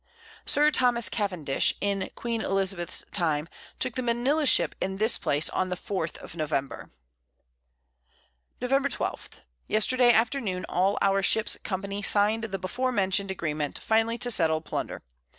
Sir Thomas Cavendish, in Queen Elizabeth's Time, took the Manila Ship in this Place on the 4th of November. Nov. 12. Yesterday Afternoon, all our Ships Company sign'd the before mention'd Agreement, finally to settle Plunder.